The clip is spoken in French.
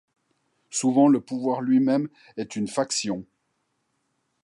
Souvent le pouvoir lui-même est une faction.